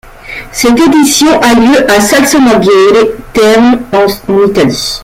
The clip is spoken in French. Cette édition a lieu à Salsomaggiore Terme, en Italie.